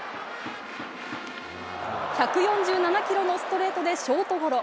１４７キロのストレートでショートゴロ。